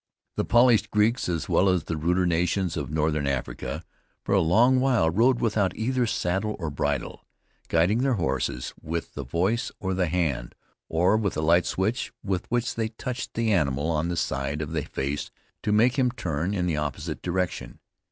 The polished Greeks as well as the ruder nations of Northern Africa, for a long while rode without either saddle or bridle, guiding their horses, with the voice or the hand, or with a light switch with which they touched the animal on the side of the face to make him turn in the opposite direction.